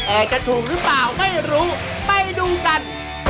แต่จะถูกหรือเปล่าไม่รู้ไปดูกัน